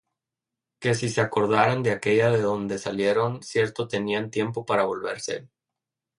Que si se acordaran de aquella de donde salieron, cierto tenían tiempo para volverse: